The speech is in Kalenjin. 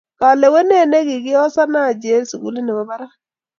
Kalewenee ne kikiosan Haji eng sukulit ne bo barak.